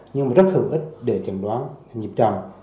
nhưng mà rất hữu ích để chẩn đoán nhiệp chậm